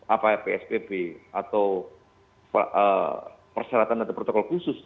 apa psbb atau persyaratan atau protokol khusus